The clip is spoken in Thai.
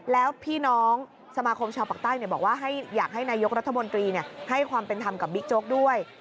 แล้วพี่น้องสมาคมชาวปากใต้บอกว่าอยากให้นายกรัฐมนตรีให้ความเป็นธรรมกับบิ๊กโจ๊กด้วย